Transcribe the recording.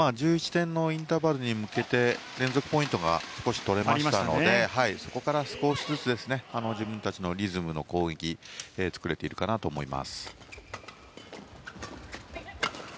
１１点のインターバルに向けて連続ポイントが少し取れましたのでそこから少しずつ自分たちのリズムの攻撃を作れているかなと思います。